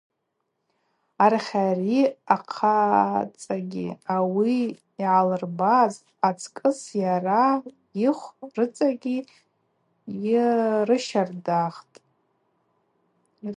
Арахьари ахъацӏагьи ауи йгӏалырбаз ацкӏыс йара йыхв рыцӏагьи йрыщардахтӏ.